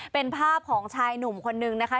เป็นภาพของชายหนุ่มคนนึงนะคะ